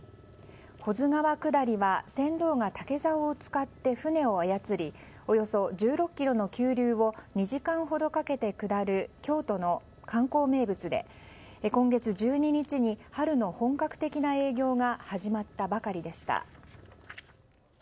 保津川下りは船頭が竹ざおを使って船を操りおよそ１６ｋｍの急流を２時間ほどかけて下る京都の観光名物で今月１２日に春の本格的な営業が始まったばかりでした。